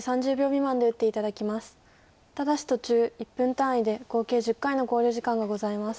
ただし途中１分単位で合計１０回の考慮時間がございます。